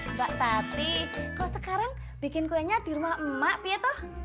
mbak tati kok sekarang bikin kuenya di rumah emak pia toh